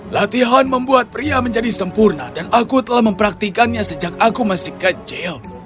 latihan membuat pria menjadi sempurna dan aku telah mempraktikannya sejak aku masih kecil